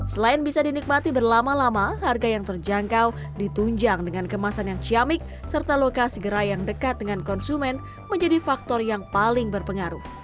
selain bisa dinikmati berlama lama harga yang terjangkau ditunjang dengan kemasan yang ciamik serta lokasi gerai yang dekat dengan konsumen menjadi faktor yang paling berpengaruh